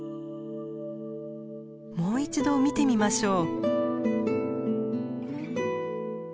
もう一度見てみましょう。